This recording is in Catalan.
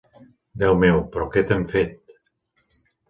Déu meu, però què t'hem fet?